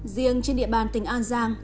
riêng trên địa bàn tỉnh an giang